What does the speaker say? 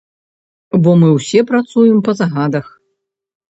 Бо мы ўсе працуем па загадах.